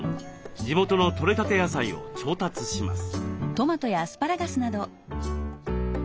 地元の取れたて野菜を調達します。